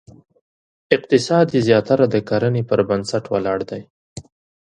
اقتصاد یې زیاتره د کرنې پر بنسټ ولاړ دی.